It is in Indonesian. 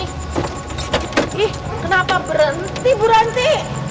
ih kenapa berhenti bu ranti